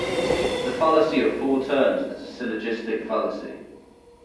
The fallacy of four terms is a syllogistic fallacy.